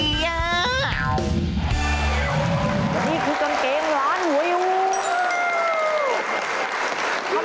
อันนี้คือกางเกงร้านหัวยู